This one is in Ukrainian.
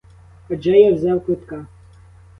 Адже я взяв квитка.